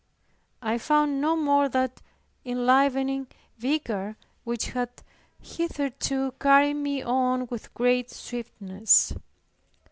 I found no more that enlivening vigor which had hitherto carried me on with great swiftness.